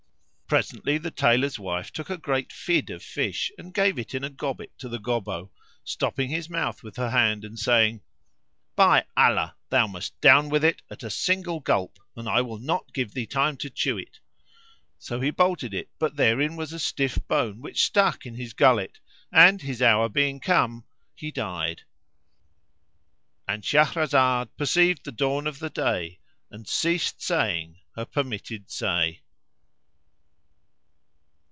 Presently the Tailor's wife took a great fid of fish and gave it in a gobbet to the Gobbo, stopping his mouth with her hand and saying, "By Allah, thou must down with it at a single gulp; and I will not give thee time to chew it." So he bolted it; but therein was a stiff bone which stuck in his gullet and, his hour being come, he died.—And Shahrazad perceived the dawn of day and ceased saying her permitted say.